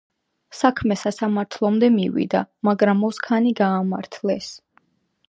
საქმე სასამართლომდე მივიდა, მაგრამ ოზქანი გაამართლეს.